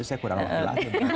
oh jadi saya kurang laki laki